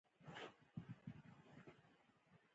کور ته ځي